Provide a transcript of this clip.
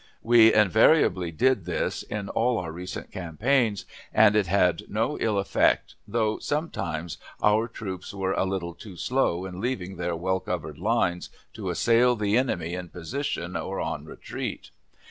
We invariably did this in all our recent campaigns, and it had no ill effect, though sometimes our troops were a little too slow in leaving their well covered lines to assail the enemy in position or on retreat.